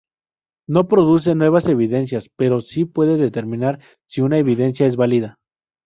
No produce nuevas evidencias, pero sí puede determinar si una evidencia es válida.